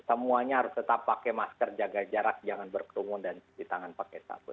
semuanya harus tetap pakai masker jaga jarak jangan berkerumun dan cuci tangan pakai sabun